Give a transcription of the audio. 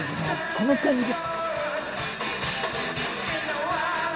この感じが。